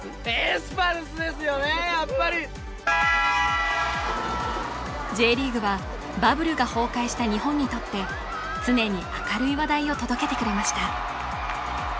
やっぱりＪリーグはバブルが崩壊した日本にとって常に明るい話題を届けてくれました